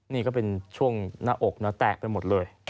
นี่ก็เป็นช่วงหน้าอกนะแตะไปหมดเลย